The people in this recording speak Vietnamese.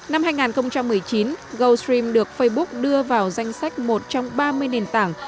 năm hai nghìn một mươi chín goldstream được facebook đưa vào danh sách một trong ba mươi nền tảng